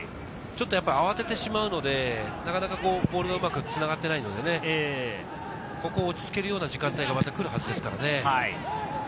ちょっと慌ててしまうので、なかなかボールがうまくつながっていないので、ここ、落ち着けるような時間帯がまた来るはずですからね。